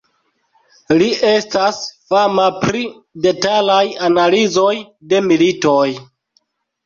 Li estas fama pri detalaj analizoj de militoj.